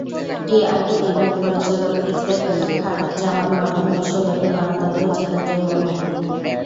টিআইবির নির্বাহী পরিচালক ইফতেখারুজ্জামান বলেন, বিশ্বব্যাপী গণতন্ত্র চ্যালেঞ্জের মুখোমুখি।